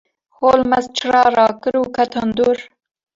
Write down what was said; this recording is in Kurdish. Holmes çira rakir û ket hundir.